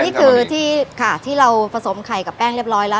นี่คือแป้งของมะมิค่ะที่เราผสมไข่กับแป้งเรียบร้อยแล้ว